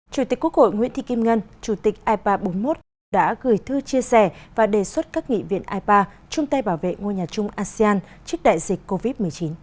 chủ tịch quốc hội nguyễn thị kim ngân chủ tịch ipa bốn mươi một đã gửi thư chia sẻ và đề xuất các nghị viện ipa chung tay bảo vệ ngôi nhà chung asean trước đại dịch covid một mươi chín